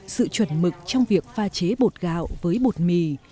sự chuẩn mực trong việc pha chế bột gạo với bột mì